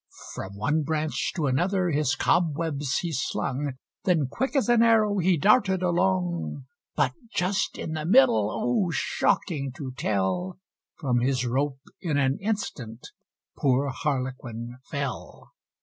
From one branch to another his cobwebs he slung, Then quick as an arrow he darted along. But just in the middle oh! shocking to tell, From his rope, in an instant, poor Harlequin fell.